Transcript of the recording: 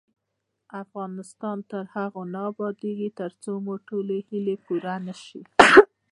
افغانستان تر هغو نه ابادیږي، ترڅو مو ټولې هیلې پوره نشي.